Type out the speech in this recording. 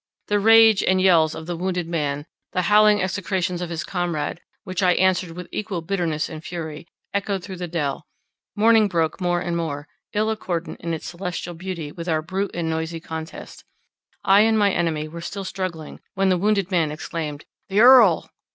The rage and yells of the wounded man, the howling execrations of his comrade, which I answered with equal bitterness and fury, echoed through the dell; morning broke more and more, ill accordant in its celestial beauty with our brute and noisy contest. I and my enemy were still struggling, when the wounded man exclaimed, "The Earl!"